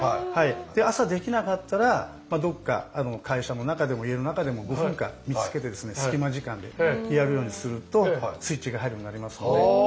朝できなかったらどこか会社の中でも家の中でも５分間見つけて隙間時間でやるようにするとスイッチが入るようになりますので。